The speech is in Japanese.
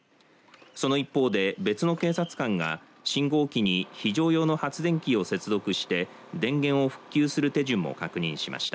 その一方で別の警察官が信号機に非常用の発電機を接続して電源を復旧する手順も確認しました。